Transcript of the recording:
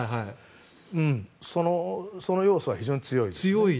その要素は非常に強い。